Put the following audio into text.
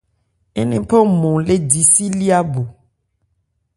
Ńnephan nmɔn le di si lyá bu.